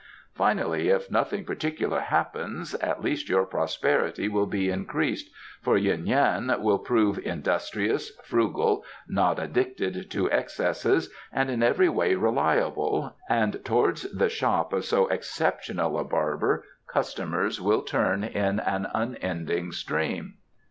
Finally, if nothing particular happens, at least your prosperity will be increased, for Yuen Yan will prove industrious, frugal, not addicted to excesses and in every way reliable, and towards the shop of so exceptional a barber customers will turn in an unending stream."